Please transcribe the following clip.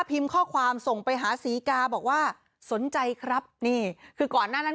พิมพ์ข้อความส่งไปหาศรีกาบอกว่าสนใจครับนี่คือก่อนหน้านั้น